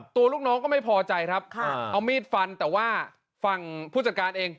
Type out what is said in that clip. ลูกน้องก็ไม่พอใจครับเอามีดฟันแต่ว่าฝั่งผู้จัดการเอง